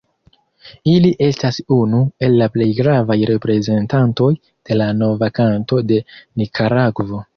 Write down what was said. Li estas unu el la plej gravaj reprezentantoj de la "Nova Kanto" de Nikaragvo.